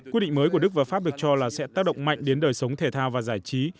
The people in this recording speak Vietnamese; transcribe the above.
quyết định mới của đức và pháp được cho là sẽ tác động mạnh đến đời sống thể thao và giải trí